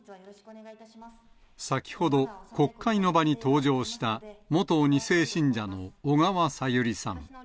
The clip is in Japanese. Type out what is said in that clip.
先ほど、国会の場に登場した元２世信者の小川さゆりさん。